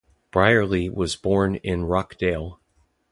Brierley was born in Rochdale.